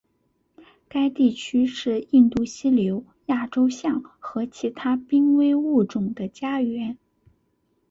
该地区是印度犀牛亚洲象和其他濒危物种的家园。